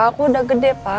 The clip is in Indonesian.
aku udah gede pak